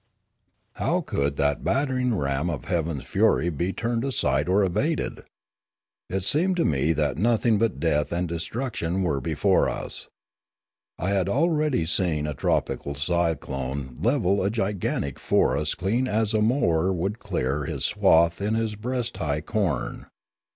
How could that battering ram of heaven's fury be turned aside or evaded ? It seemed to me that nothing but death and destruction were before us. I had al ready seen a tropical cyclone level a gigantic forest clean as a mower would clear his swath in his breast high corn.